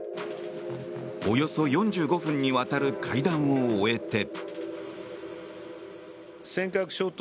およそ４５分にわたる会談を終えて。